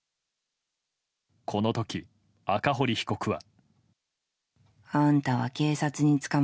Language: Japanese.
この時、赤堀被告は。